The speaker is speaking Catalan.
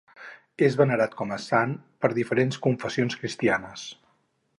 És venerat com a sant per diferents confessions cristianes.